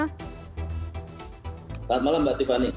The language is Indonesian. selamat malam mbak tiffany